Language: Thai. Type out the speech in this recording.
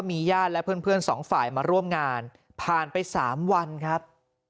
มีญาติและเพื่อนสองฝ่ายมาร่วมงานผ่านไป๓วันครับ